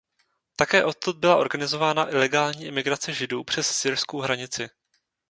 Také odtud byla organizována ilegální imigrace Židů přes syrskou hranici.